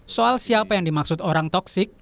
soal siapa yang dimaksud orang toksik